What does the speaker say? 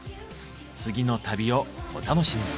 次の旅をお楽しみに。